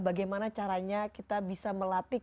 bagaimana caranya kita bisa melatih